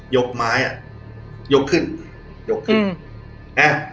ยกม้าย้ะ